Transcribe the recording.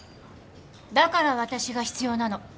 だから私が必要なの。